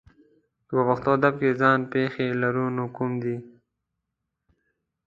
که په پښتو ادب کې ځان پېښې لرو نو کوم دي؟